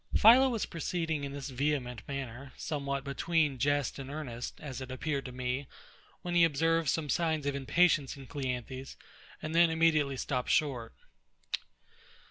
PHILO was proceeding in this vehement manner, somewhat between jest and earnest, as it appeared to me, when he observed some signs of impatience in CLEANTHES, and then immediately stopped short.